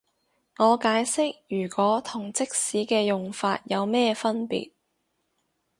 我解釋如果同即使嘅用法有咩分別